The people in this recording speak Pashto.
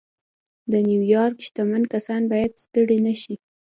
د نيويارک شتمن کسان بايد ستړي نه شي.